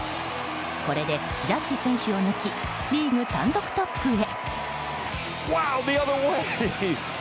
これで、ジャッジ選手を抜きリーグ単独トップへ。